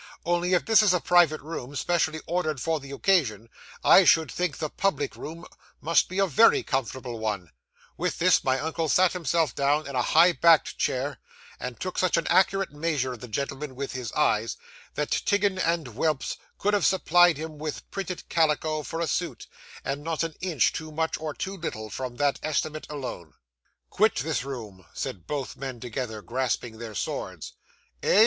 "Only, if this is a private room specially ordered for the occasion, I should think the public room must be a _very _comfortable one;" with this, my uncle sat himself down in a high backed chair, and took such an accurate measure of the gentleman, with his eyes, that Tiggin and Welps could have supplied him with printed calico for a suit, and not an inch too much or too little, from that estimate alone. '"Quit this room," said both men together, grasping their swords. '"Eh?"